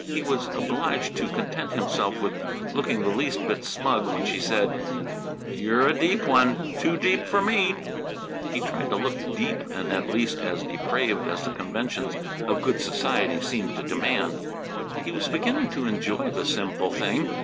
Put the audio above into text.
He was obliged to content himself with looking the least bit smug when she said: "You're a deep one too deep for me!" He tried hard to look deep and at least as depraved as the conventions of good society seemed to demand. He was beginning to enjoy the sinful thing.